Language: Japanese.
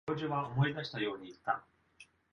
教授は思い出したように言った。